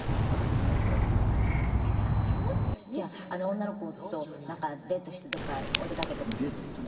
女の子となんかデートしてどこかお出かけとか。